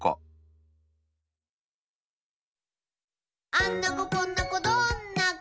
「あんな子こんな子どんな子？